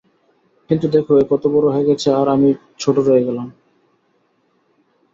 কিন্তু দেখো এ কত বড় হয়ে গেছে আর আমি ছোট রয়ে গেলাম।